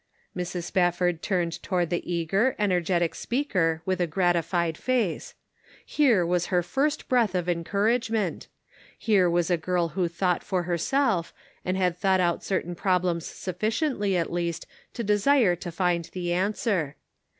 Mrs. Spafford turned toward the eager, energetic speaker with a gratified face. Here was her first breath of encouragement; here was a girl who thought for herself, and had thought out certain problems sufficiently at least to desire to find the answer.